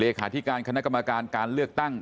ที่การคณะกรรมการการเลือกตั้ง